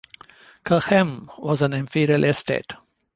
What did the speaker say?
Cochem was an Imperial estate.